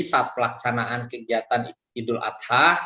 saat pelaksanaan kegiatan idul adha